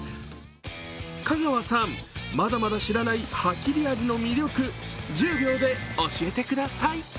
香川さん、まだまだ知らないハキリアリの魅力、１０秒で教えてください。